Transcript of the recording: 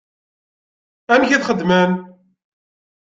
Amek i t-xeddmen?